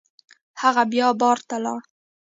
هغه بیا بار ته لاړ.